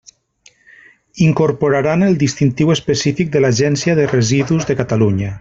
Incorporaran el distintiu específic de l'Agència de Residus de Catalunya.